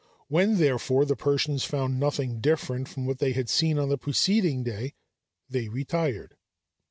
When, therefore, the Persians found nothing different from what they had seen on the preceding day, they retired.